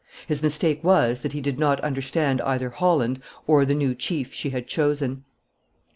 His mistake was, that he did not understand either Holland or the new chief she had chosen.